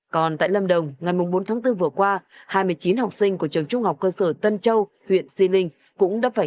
còn tại lâm đồng ngày bốn tháng bốn vừa qua hai mươi chín học sinh của trường trung học cơ sở tân châu huyện si linh